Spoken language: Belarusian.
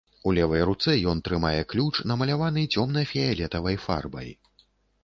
У левай руцэ ён трымае ключ, намаляваны цёмна-фіялетавай фарбай.